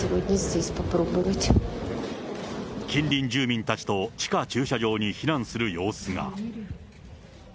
近隣住民たちと地下駐車場に避難する様子が。